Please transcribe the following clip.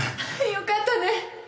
よかったね！